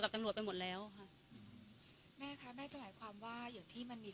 ตำรวจไปหมดแล้วค่ะอืมแม่คะแม่จะหมายความว่าอย่างที่มันมี